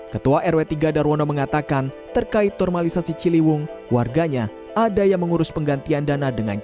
ketua rw tiga darwono mengatakan terkait normalisasi ciliwung warganya ada yang mengurus penggantian dana dengan